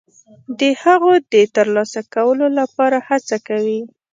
د هغو د ترلاسه کولو لپاره هڅه کوي.